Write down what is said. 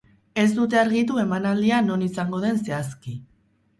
Ez dute argitu emanaldia non izango den zehazki.